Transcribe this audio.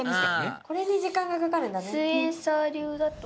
これに時間がかかるんだね。